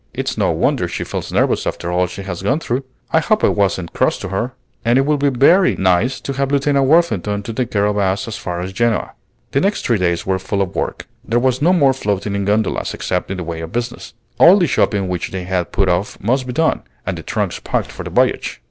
it's no wonder she feels nervous after all she has gone through. I hope I wasn't cross to her! And it will be very nice to have Lieutenant Worthington to take care of us as far as Genoa." The next three days were full of work. There was no more floating in gondolas, except in the way of business. All the shopping which they had put off must be done, and the trunks packed for the voyage.